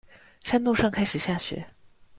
山路上開始下雪